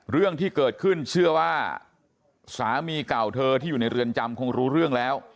เรื่องที่เกิดขึ้นเชื่อว่าสามีเก่าเธอที่อยู่ในเรือนจำคงรู้เรื่องแล้ว